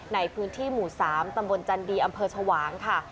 ในพื้นที่หมู่๓ตำบลจันดีอำเภอชวางค่ะ